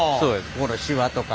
ここのシワとか。